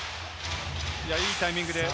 いいタイミングです。